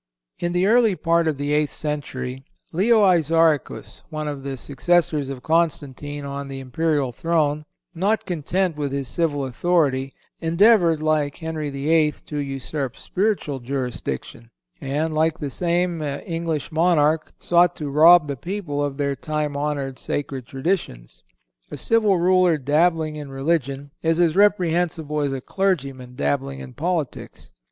In the early part of the eighth century Leo Isauricus, one of the successors of Constantine on the imperial throne, not content with his civil authority, endeavored, like Henry VIII., to usurp spiritual jurisdiction, and, like the same English monarch, sought to rob the people of their time honored sacred traditions. A civil ruler dabbling in religion is as reprehensible as a clergyman dabbling in politics.